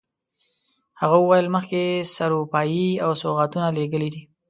هغه وویل مخکې سروپايي او سوغاتونه لېږلي دي.